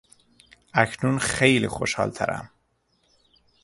اکنون خیلی خوشحالترم.